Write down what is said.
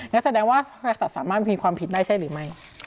แสดงว่าบริษัทสามารถมีความผิดได้ใช่หรือไม่